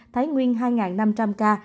thái nguyên hai năm trăm linh ca